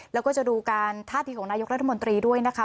แล้วก็จะดูการท่าทีของนายกรัฐมนตรีด้วยนะคะ